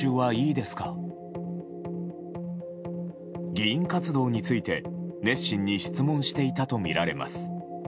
議員活動について熱心に質問していたとみられます。